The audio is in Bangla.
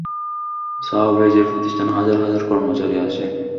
সাওভ্যাজের প্রতিষ্ঠানে হাজার হাজার কর্মচারী আছে।